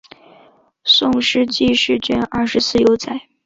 宋诗纪事卷二十四有载。